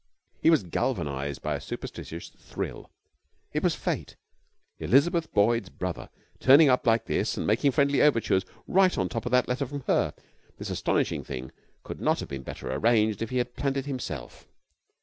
He was galvanized by a superstitious thrill. It was fate, Elizabeth Boyd's brother turning up like this and making friendly overtures right on top of that letter from her. This astonishing thing could not have been better arranged if he had planned it himself.